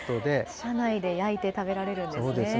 車内で焼いて、食べられるんですね。